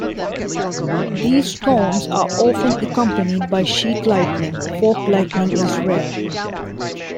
These storms are often accompanied by sheet lightning; fork lightning is rare.